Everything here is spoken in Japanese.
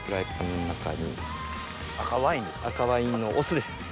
赤ワインのオスです！